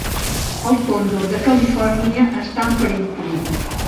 El còndor de Califòrnia està en perill crític.